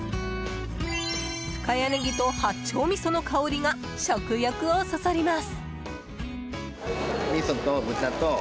深谷ねぎと八丁味噌の香りが食欲をそそります。